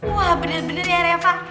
wah bener bener ya refa